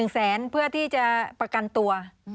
๑แสนเพื่อที่จะประกันตัว